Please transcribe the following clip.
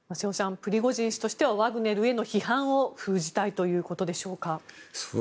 プリゴジン氏としてはワグネルへの批判を封じたいということでしょうか。